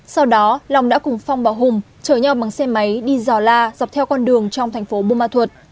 sau đó long đã cùng phong và hùng chở nhau bằng xe máy đi dò la dọc theo con đường trong thành phố buôn ma thuột